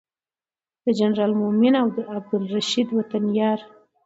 د جنرال مؤمن او عبدالرشید وطن یار